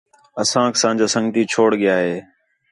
اسانک اساں جا سنڳتی چھوڑ ڳِیا ہے